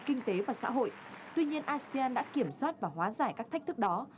kinh tế và xã hội tuy nhiên asean đã kiểm soát và hóa giải các thách thức đó